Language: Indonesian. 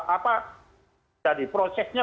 apa jadi prosesnya